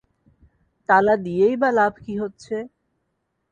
তালা দিয়েই-বা লাভ কী হচ্ছে?